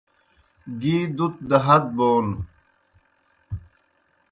گی دُت دہ ہت بون